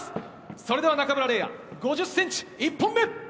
それでは中村嶺亜、５０センチ、１本目。